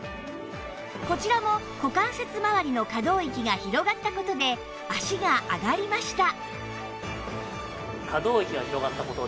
こちらも股関節まわりの可動域が広がった事で脚が上がりました